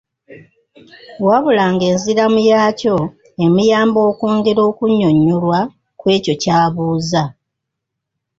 Wabula ng’enziramu yaakyo emuyamba okwongera okunnyonnyolwa ku ekyo ky’abuuza.